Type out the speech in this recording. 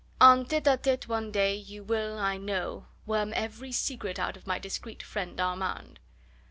En tete a tete one day, you will, I know, worm every secret out of my discreet friend Armand."